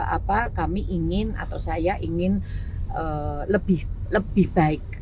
apa kami ingin atau saya ingin lebih baik